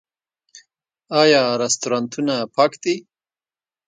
آیا رستورانتونه پاک دي؟